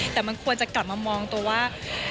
แต่มันควรจะกลับมามองตัวว่า